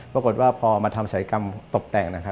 ปรากฏว่าพอมาทำสายกรรมตบแต่งนะครับ